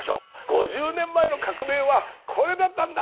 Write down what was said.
５０年前の革命はこれだったんだ！